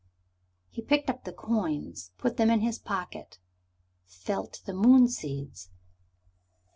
He picked up the coins, put them in his pocket felt the moon seeds.